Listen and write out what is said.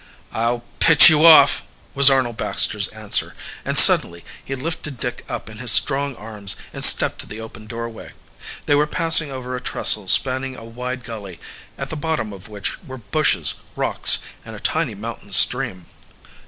"I'll pitch you off!" was Arnold Baxter's answer, and suddenly he lifted Dick up in his strong arms and stepped to the open doorway. They were passing over a trestle spanning a wide gully, at the bottom of which were bushes, rocks, and a tiny mountain stream.